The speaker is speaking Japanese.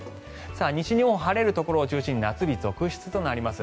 西日本は晴れるところを中心に夏日続出となります。